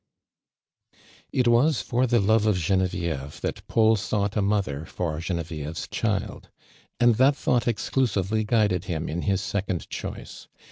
It was for the love of (lenevicvo that Paul sought a mother for (Jenevieve's child, and that thought exclusively guided him in his second choice.